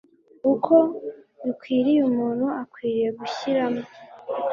uko bikwiriye Umuntu akwiriye gushyiramo